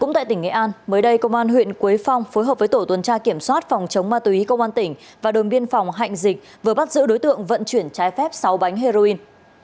tại tỉnh nghệ an mới đây công an huyện quế phong phối hợp với tổ tuần tra kiểm soát phòng chống ma túy công an tỉnh và đồn biên phòng hạnh dịch vừa bắt giữ đối tượng vận chuyển trái phép sáu bánh heroin